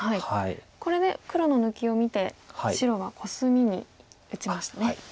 これで黒の抜きを見て白はコスミに打ちましたね。